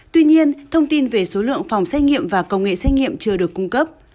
tuy nhiên thông tin về số lượng phòng xét nghiệm và công nghệ xét nghiệm chưa được cung cấp